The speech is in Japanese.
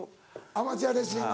アマチュアレスリング